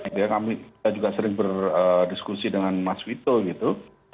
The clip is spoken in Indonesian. kita juga sering berdiskusi dengan mas vito gitu